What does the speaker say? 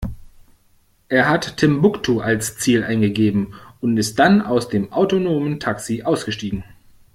Er hat Timbuktu als Ziel eingegeben und ist dann aus dem autonomen Taxi ausgestiegen.